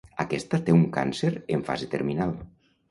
Aquesta té un càncer en fase terminal.